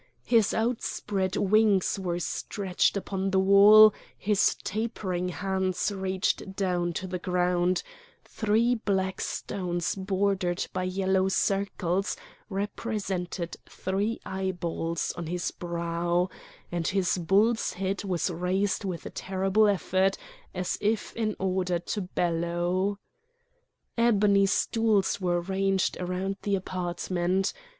His outspread wings were stretched upon the wall, his tapering hands reached down to the ground; three black stones bordered by yellow circles represented three eyeballs on his brow, and his bull's head was raised with a terrible effort as if in order to bellow. Ebony stools were ranged round the apartment.